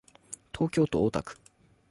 東京都大田区